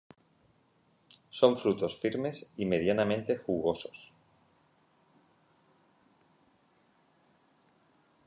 Son frutos firmes y medianamente jugosos.